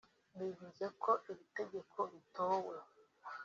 Bivuze ko iri tegeko ritowe